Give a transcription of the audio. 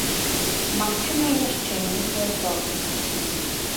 Магчымыя яшчэ нейкія крокі.